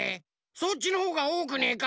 そっちのほうがおおくねえか？